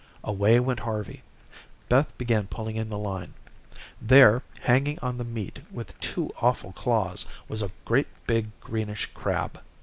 Away went Harvey. Beth began pulling in the line. There, hanging on the meat with two awful claws, was a great big greenish crab.